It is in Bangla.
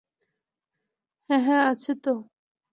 হ্যাঁ, হ্যাঁ, আছে তো।